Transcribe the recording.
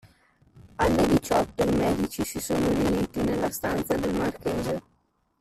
Alle diciotto i medici si sono riuniti nella stanza del marchese.